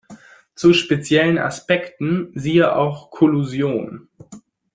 Zu speziellen Aspekten siehe auch Kollusion.